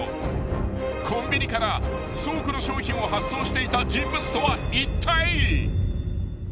［コンビニから倉庫の商品を発送していた人物とはいったい］